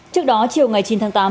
trước đó chiều ngày chín tháng tám